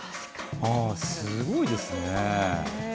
すごいですね。